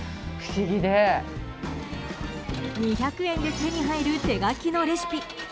２００円で手に入る手書きのレシピ。